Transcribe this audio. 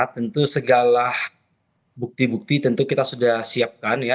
tentu segala bukti bukti tentu kita sudah siapkan ya